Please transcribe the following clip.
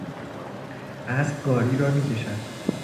اسب گاری را میکشد.